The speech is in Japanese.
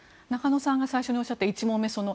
中野さんが最初におっしゃった１問目。